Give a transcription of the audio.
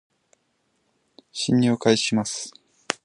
進入を開始します